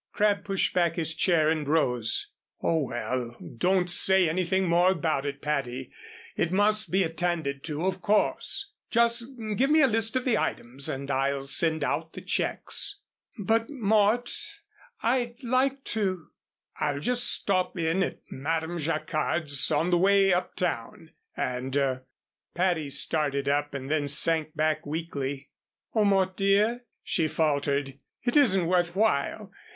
Crabb pushed back his chair and rose. "Oh, well, don't say anything more about it, Patty. It must be attended to, of course. Just give me a list of the items and I'll send out the checks." "But, Mort, I'd like to " "I'll just stop in at Madame Jacquard's on the way uptown and " Patty started up and then sank back weakly. "Oh, Mort, dear," she faltered, "it isn't worth while.